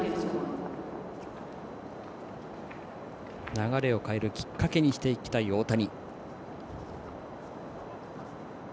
流れを変えるきっかけにしていきたい大谷。